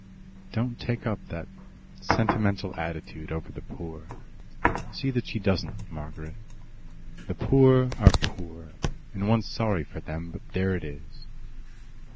Don't take up that sentimental attitude over the poor. See that she doesn't, Margaret. The poor are poor, and one's sorry for them, but there it is.